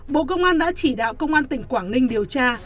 bộ công an đã chỉ đạo công an tỉnh quảng ninh điều tra